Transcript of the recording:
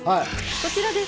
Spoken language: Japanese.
こちらです。